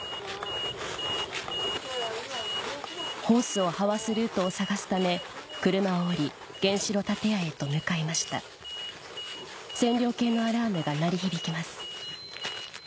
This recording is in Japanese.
ホースをはわすルートを探すため車を降り原子炉建屋へと向かいました線量計のアラームが鳴り響きます